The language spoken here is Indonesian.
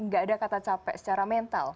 gak ada kata capek secara mental